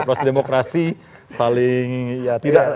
proses demokrasi saling ya tidak